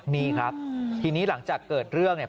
นี่ครับทีนี้หลังจากเกิดเรื่องเนี่ย